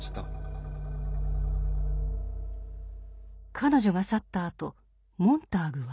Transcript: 彼女が去ったあとモンターグは？